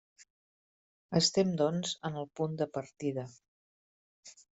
Estem doncs en el punt de partida.